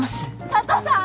佐都さん！